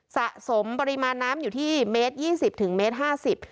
สะสมปริมาณน้ำอยู่ที่เมตรยี่สิบถึงเมตรห้าสิบ